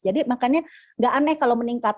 jadi makanya nggak aneh kalau meningkat